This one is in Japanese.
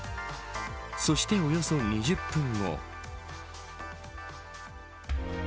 そして、およそ２０分後。